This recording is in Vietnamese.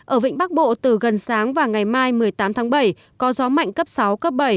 ở vịnh bắc bộ từ gần sáng và ngày mai một mươi tám tháng bảy có gió mạnh cấp sáu cấp bảy